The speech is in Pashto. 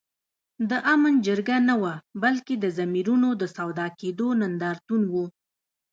د آمن جرګه نه وه بلکي د ضمیرونو د سودا کېدو نندارتون وو